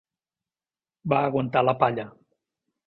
Va aguantar la palla.